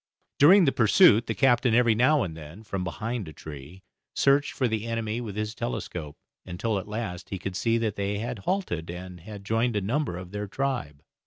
During the pursuit the captain every now and then, from behind a tree, searched for the enemy with his telescope, until at last he could see that they had halted, and had joined a number of their tribe.